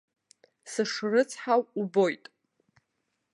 Сышрыцҳау убоит!